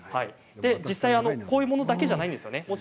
実際にこういうものだけではないんですよね。